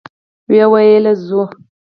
ويې ويل: ځو؟